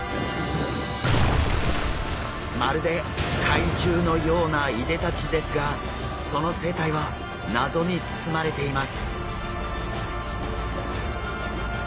まるで怪獣のようないでたちですがその生態は謎に包まれています。